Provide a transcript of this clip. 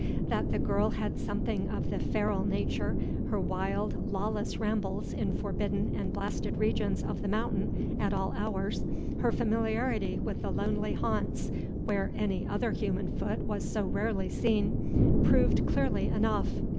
That the girl had something of the feral nature, her wild, lawless rambles in forbidden and blasted regions of The Mountain at all hours, her familiarity with the lonely haunts where any other human foot was so rarely seen, proved clearly enough.